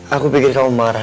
aku pikir kamu marah